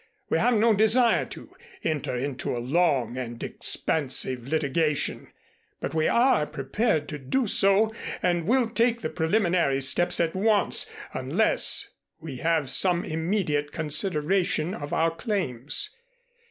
We have no desire to enter into a long and expensive litigation, but we are prepared to do so and will take the preliminary steps at once, unless we have some immediate consideration of our claims.